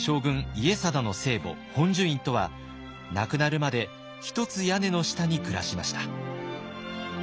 家定の生母本寿院とは亡くなるまで一つ屋根の下に暮らしました。